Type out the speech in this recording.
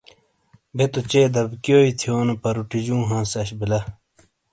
بے تو چے دبیکیوئی تھیونو پروٹیجوں ہانس اش بلہ۔